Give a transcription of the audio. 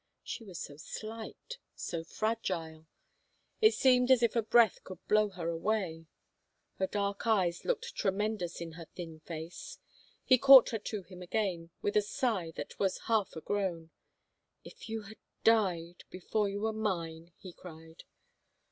She was so slight, so fragile ! It seemed as if a breath could blow her away. Her dark eyes 158 IN HEVER CASTLE looked tremendous in her thin face. He caught her to him again with a sigh that was half a groan. If you had died — before you were mine !" he cried.